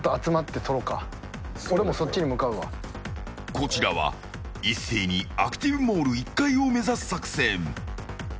こちらは一斉にアクティブモール１階を目指す作戦。